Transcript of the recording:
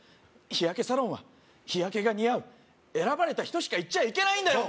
日焼けサロンは日焼けが似合う選ばれた人しか行っちゃいけないんだよ